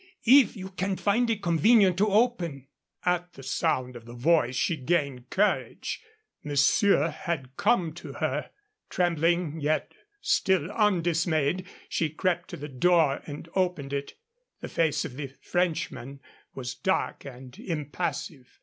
"If you can find it convenient to open " At the sound of the voice she gained courage. Monsieur had come to her. Trembling, yet still undismayed, she crept to the door and opened it. The face of the Frenchman was dark and impassive.